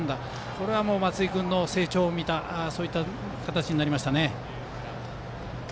これは松井君の成長を見たそういった形になりましたね。